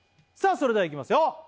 それではいきますよ